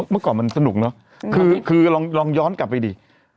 เมื่อก่อนมันสนุกเนอะคือลองย้อนกลับไปดิ